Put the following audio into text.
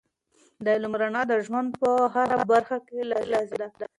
د علم رڼا د ژوند په هره برخه کې لازم دی.